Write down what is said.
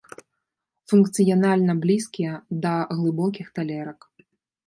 Функцыянальна блізкія да глыбокіх талерак.